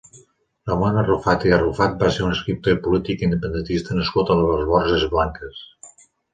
Ramon Arrufat i Arrufat va ser un escriptor i polític independentista nascut a les Borges Blanques.